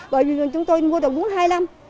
bởi vì chúng tôi mua được bốn hai năm